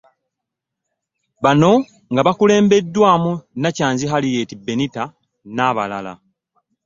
Bano nga bakulembeddwamu Nakyanzi Harriet Benita n'abalala